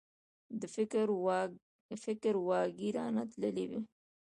د فکر واګي رانه تللي وو.